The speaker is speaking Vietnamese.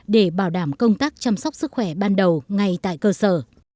để bảo đảm công tác chăm sóc sức khỏe ban đầu ngay tại cơ sở